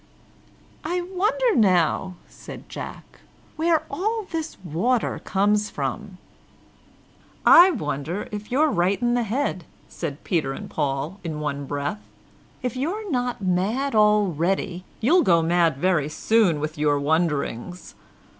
"I wonder now," said Jack, "where all this water comes from." "I wonder if you're right in your head," said Peter and Paul in one breath. "If you're not mad already, you'll go mad very soon, with your wonderings.